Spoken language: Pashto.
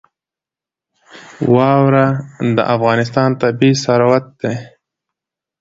واوره د افغانستان طبعي ثروت دی.